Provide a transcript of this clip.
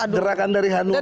gerakan dari hanukkah